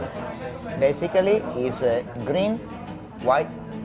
sebenarnya dia tidak bisa menghormati margherita